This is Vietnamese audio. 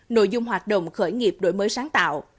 nội dung hoạt động khởi nghiệp đổi mới sáng tạo